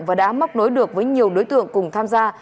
và đã móc nối được với nhiều đối tượng cùng tham gia